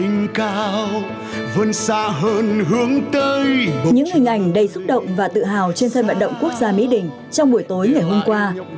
những hình ảnh đầy xúc động và tự hào trên sân vận động quốc gia mỹ đình trong buổi tối ngày hôm qua